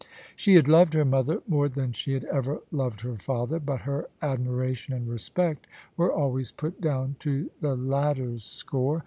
She had loved her mother more than she had ever loved her father: but her admiration and respect were always put down to the latter's score.